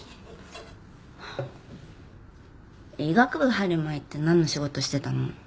医学部入る前ってなんの仕事してたの？